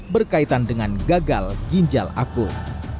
berkaitan dengan gagal ginjal akut